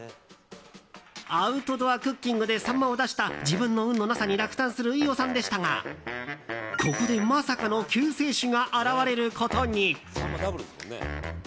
アウトドアクッキングでサンマを出した自分の運のなさに落胆する飯尾さんでしたがここで、まさかの救世主が現れることに。